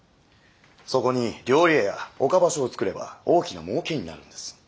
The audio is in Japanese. そこに料理屋や岡場所をつくれば大きな儲けになるんです。